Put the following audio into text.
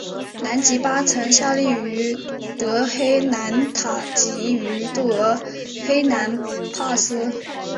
兰吉巴曾效力于德黑兰塔吉于德黑兰帕斯。